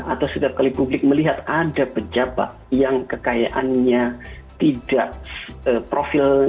atau setiap kali publik melihat ada pejabat yang kekayaannya tidak profil